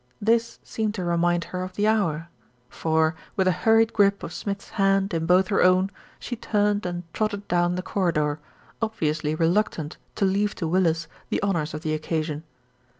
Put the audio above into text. This seemed to remind her of the hour; for, with a hurried grip of Smith's hand in both her own, she turned and trotted down the cor ridor, obviously reluctant to leave to Willis the hon ours of the occasion.